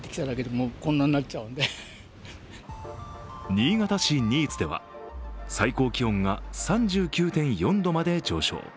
新潟市新津では最高気温が３９．４度まで上昇。